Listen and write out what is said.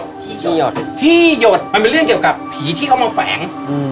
ที่หยดที่หยดมันเป็นเรื่องเกี่ยวกับผีที่เขามาแฝงอืม